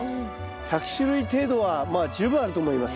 １００種類程度はまあ十分あると思います。